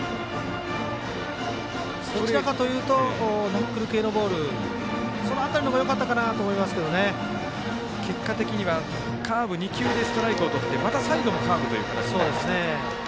どちらかというとナックル系のボールその辺りのほうがよかったかなと結果的には、カーブ２球でストライクをとってまた最後もカーブという形になりました。